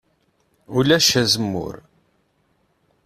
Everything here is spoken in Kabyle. Ulac azemmur.